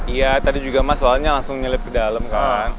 iya tadi juga mas soalnya langsung nyelip ke dalam kan